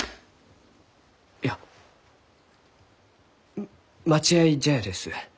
いや待合茶屋です。